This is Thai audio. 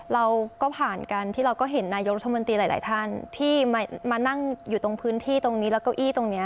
เราก็ผ่านกันที่เราก็เห็นนายกรัฐมนตรีหลายท่านที่มานั่งอยู่ตรงพื้นที่ตรงนี้แล้วเก้าอี้ตรงนี้